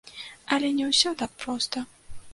Але не ўсё так проста.